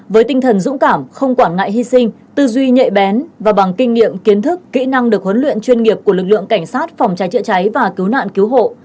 với tinh thần dũng cảm không quản ngại hy sinh tư duy nhạy bén và bằng kinh nghiệm kiến thức kỹ năng được huấn luyện chuyên nghiệp của lực lượng cảnh sát phòng cháy chữa cháy và cứu nạn cứu hộ